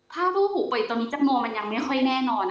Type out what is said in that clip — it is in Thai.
ถ้ารูปหูเปิดตอนนี้จำนวนมันยังไม่ค่อยแน่นอน